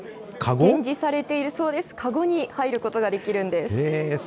展示されている籠に入ることができるんです。